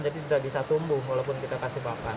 jadi tidak bisa tumbuh walaupun kita kasih bakan